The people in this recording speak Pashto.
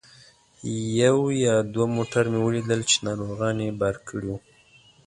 یو یا دوه موټر مې ولیدل چې ناروغان یې بار کړي وو.